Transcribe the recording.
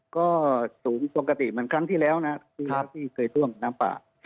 ก็สูงปกติเหมือนครั้งที่แล้วนะที่เคยท่วมน้ำป่า